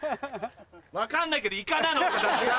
分かんないけどイカなの形が！